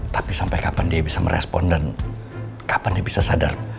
tapi sampai kapan dia bisa merespon dan kapan dia bisa sadar